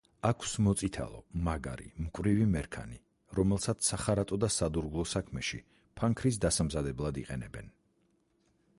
აქვს მოწითალო, მაგარი, მკვრივი მერქანი, რომელსაც სახარატო და სადურგლო საქმეში, ფანქრის დასამზადებლად იყენებენ.